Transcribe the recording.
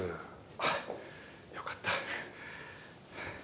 あっよかった。